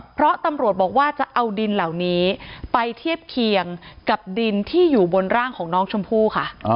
เพราะตำรวจบอกว่าจะเอาดินเหล่านี้ไปเทียบเคียงกับดินที่อยู่บนร่างของน้องชมพู่ค่ะ